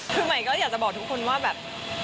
คือใหม่ก็อยากจะบอกทุกคนว่าแบบ